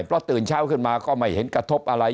เพราะตื่นเช้าขึ้นมาก็ไม่เห็นกระทบอะไร